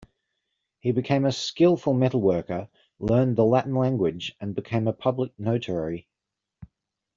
He became a skillful metalworker, learned the Latin language, and became a public notary.